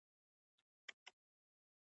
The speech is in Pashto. موږ به دغې ورځې ته ورسېږو.